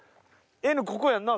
Ｎここやんな？